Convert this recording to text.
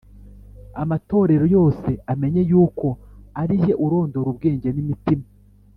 amatorero yose amenye yuko ari jye urondora ubwenge n’imitima,